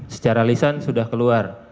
secara lisan sudah keluar